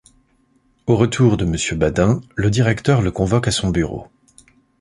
Au retour de monsieur Badin, le directeur le convoque à son bureau.